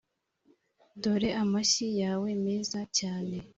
dore amashyi yawe meza cyane,